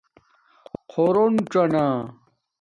خݸرونڅانہ